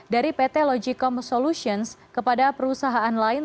dari pt logikom solutions kepada perusahaan lain